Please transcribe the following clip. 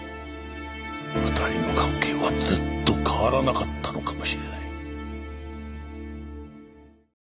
２人の関係はずっと変わらなかったのかもしれない。